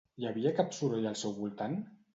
Hi havia cap soroll al seu voltant?